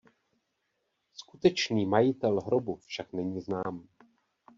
Skutečný majitel hrobu však není znám.